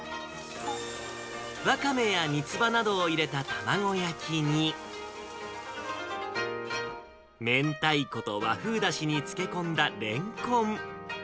わかめや三つ葉などを入れた卵焼きに、めんたいこと和風だしに漬け込んだれんこん。